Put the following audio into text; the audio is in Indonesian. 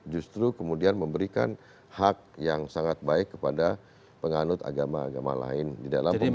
justru kemudian memberikan hak yang sangat baik kepada penganut agama agama lain di dalam pemerintahan